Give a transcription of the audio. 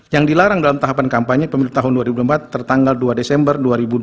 yang dilarang dalam tahapan kampanye pemilu tahun dua ribu empat tertanggal dua desember dua ribu dua puluh